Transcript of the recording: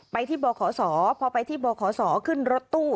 ไปที่บขศพอไปที่บขศขึ้นรถตู้